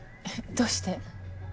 どうして？